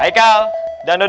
aikal dan dudut